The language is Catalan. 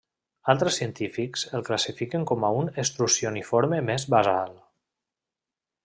Altres científics el classifiquen com a un estrucioniforme més basal.